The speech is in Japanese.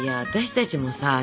私たちもさ